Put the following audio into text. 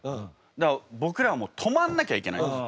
だから僕らもう止まんなきゃいけないんです。